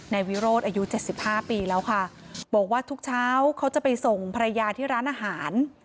นายวิโรธอายุ๗๕ปีแล้วค่ะบอกว่าทุกเช้าเขาจะไปส่งภรรยาที่ร้านอาหาร